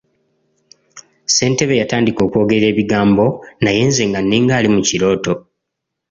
Ssentebe yatandika okwogera ebigambo naye nze nga nninga ali mu kirooto.